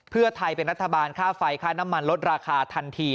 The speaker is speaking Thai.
เพื่อไทยเป็นรัฐบาลค่าไฟค่าน้ำมันลดราคาทันที